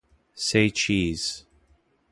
Say cheese.